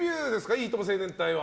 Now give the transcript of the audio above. いいとも青年隊は。